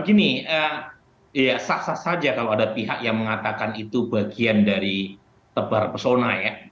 begini ya sah sah saja kalau ada pihak yang mengatakan itu bagian dari tebar pesona ya